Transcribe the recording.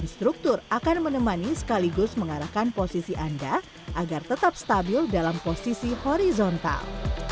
instruktur akan menemani sekaligus mengarahkan posisi anda agar tetap stabil dalam posisi horizontal